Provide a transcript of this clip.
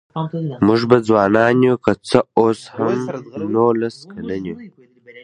مونږ به ځوانان يوو که څه اوس هم نوولس کلن يم